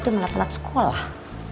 dia malah telat sekolah